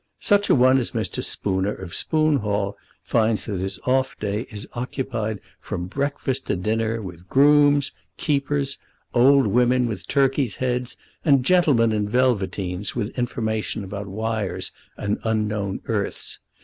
Such a one as Mr. Spooner of Spoon Hall finds that his off day is occupied from breakfast to dinner with grooms, keepers, old women with turkeys' heads, and gentlemen in velveteens with information about wires and unknown earths.